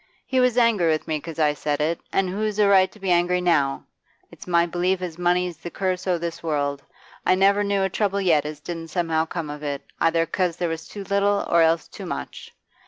He was angry with me 'cause I said it, an' who's a right to be angry now? It's my belief as money's the curse o' this world; I never knew a trouble yet as didn't somehow come of it, either 'cause there was too little or else too much.